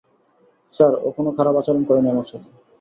Sir, ও কোনো খারাপ আচরণ করেনি আমার সাথে।